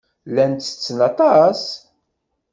Llan ttetten aṭas.